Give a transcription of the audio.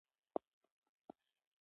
ټیټ ځان باور هم د اضطراب لامل دی.